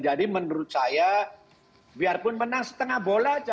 jadi menurut saya biarpun menang setengah bola saja